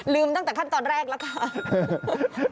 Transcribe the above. ตั้งแต่ขั้นตอนแรกแล้วค่ะ